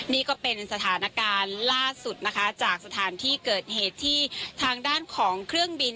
นี่ก็เป็นสถานการณ์ล่าสุดนะคะจากสถานที่เกิดเหตุที่ทางด้านของเครื่องบิน